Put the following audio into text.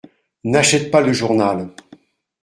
N’achète pas le journal !